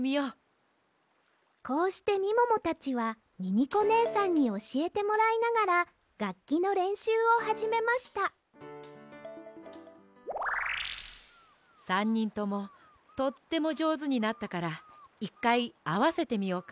こうしてみももたちはミミコねえさんにおしえてもらいながらがっきのれんしゅうをはじめました３にんともとってもじょうずになったから１かいあわせてみようか。